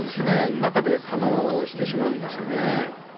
中で化のうしてしまうんですよね。